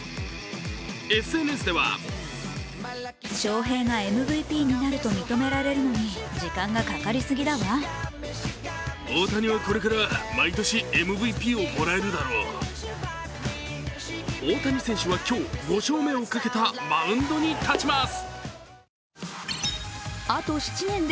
ＳＮＳでは大谷選手は今日、５勝目をかけたマウンドに立ちます。